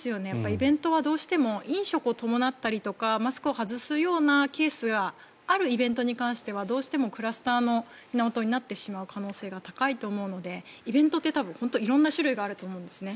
イベントはどうしても飲食を伴ったりとかマスクを外すようなケースがあるイベントに関してはどうしてもクラスターの源になってしまう可能性が高いと思うのでイベントってたくさん種類があると思うんですね。